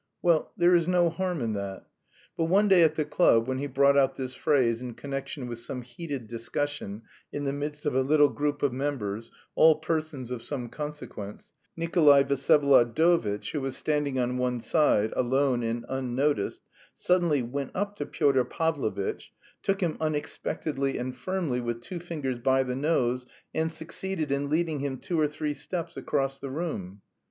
Well, there is no harm in that. But one day at the club, when he brought out this phrase in connection with some heated discussion in the midst of a little group of members (all persons of some consequence) Nikolay Vsyevolodovitch, who was standing on one side, alone and unnoticed, suddenly went up to Pyotr Pavlovitch, took him unexpectedly and firmly with two fingers by the nose, and succeeded in leading him two or three steps across the room.